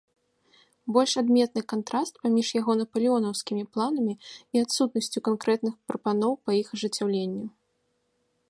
Больш адметны кантраст паміж яго напалеонаўскімі планамі і адсутнасцю канкрэтных прапаноў па іх ажыццяўленню.